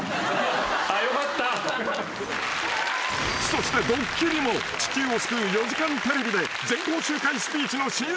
［そしてドッキリも地球を救う４時間テレビで全校集会スピーチの新作登場］